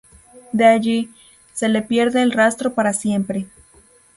De allí, se le pierde el rastro para siempre.